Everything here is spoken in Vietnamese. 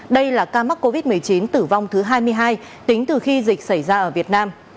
đây là ca mắc covid một mươi chín tử vong thứ hai mươi hai tính từ khi dịch xảy ra ở việt nam